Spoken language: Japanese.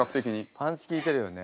パンチ効いてるよね。